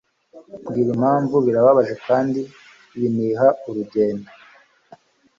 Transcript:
mbwira impamvu, birababaje kandi biniha, uragenda